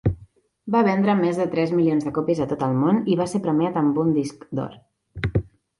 Va vendre més de tres milions de còpies a tot el món, i va ser premiat amb un disc d'or.